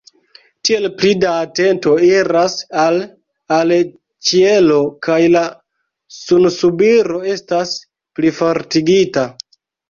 Tiel pli da atento iras al al ĉielo kaj la sunsubiro estas plifortigita.